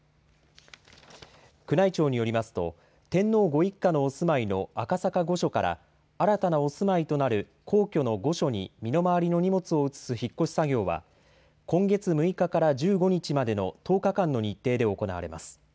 宮内庁によりますと、天皇ご一家のお住まいの赤坂御所から、新たなお住まいとなる皇居の御所に身の回りの荷物を移す引っ越し作業は、今月６日から１５日までの１０日間の日程で行われます。